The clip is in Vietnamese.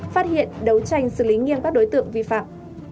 phát hiện đấu tranh xử lý nghiêm các đối tượng vi phạm